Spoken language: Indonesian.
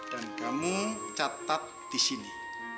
dan kamu catat di sini